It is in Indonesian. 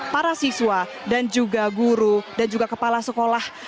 para siswa dan juga guru dan juga kepala sekolah